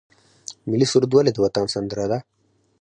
ملي سرود ولې د وطن سندره ده؟